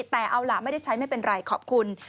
แต่เอาล่ะไม่ได้ใช้ไม่เป็นไรขอบคุณ